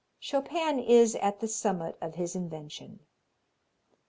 Chopin is at the summit of his invention.